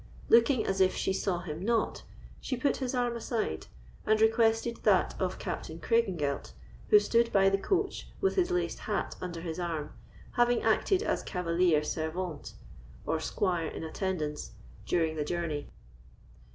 Looking as if she saw him not, she put his arm aside, and requested that of Captain Craigengelt, who stood by the coach with his laced hat under his arm, having acted as cavaliere servente, or squire in attendance, during the journey.